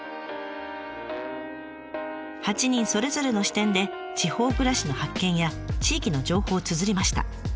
８人それぞれの視点で地方暮らしの発見や地域の情報をつづりました。